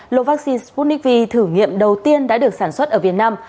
lô vaccine sputnik v thử nghiệm đầu tiên đã được sản xuất ở việt nam